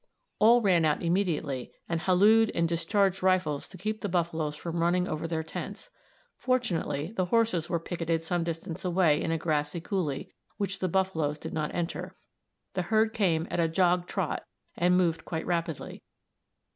All ran out immediately, and hallooed and discharged rifles to keep the buffaloes from running over their tents. Fortunately, the horses were picketed some distance away in a grassy coulée, which the buffaloes did not enter. The herd came at a jog trot, and moved quite rapidly.